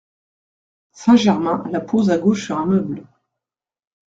Saint-Germain la pose à gauche sur un meuble.